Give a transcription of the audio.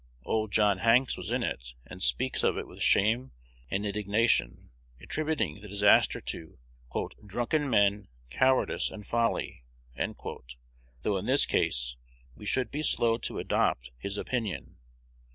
"Old John Hanks" was in it, and speaks of it with shame and indignation, attributing the disaster to "drunken men, cowardice, and folly," though in this case we should be slow to adopt his opinion.